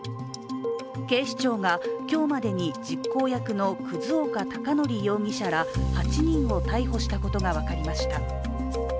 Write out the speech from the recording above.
警視庁が今日までに実行役の葛岡隆憲容疑者ら８人を逮捕したことが分かりました。